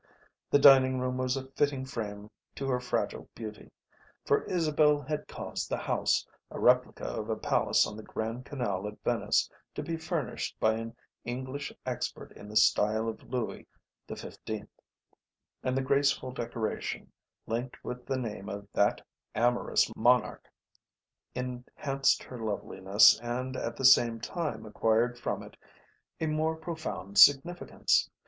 The dining room was a fitting frame to her fragile beauty, for Isabel had caused the house, a replica of a palace on the Grand Canal at Venice, to be furnished by an English expert in the style of Louis XV; and the graceful decoration linked with the name of that amorous monarch enhanced her loveliness and at the same time acquired from it a more profound significance.